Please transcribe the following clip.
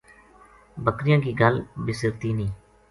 بکریاں کی گل بسرتی نیہہ۔